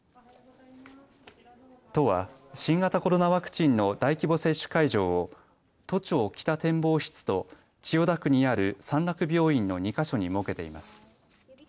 都は新型コロナワクチンの大規模接種会場を都庁北展望室と千代田区にある三楽病院の２か所に設けています。